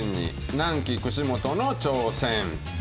南紀串本の挑戦。